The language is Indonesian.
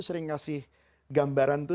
sering kasih gambaran itu